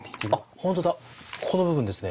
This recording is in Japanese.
本当だこの部分ですね。